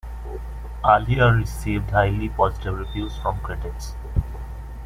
"Aaliyah" received highly positive reviews from critics.